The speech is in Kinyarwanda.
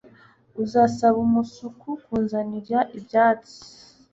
Uzasaba umusuku kunzanira ibyatsi?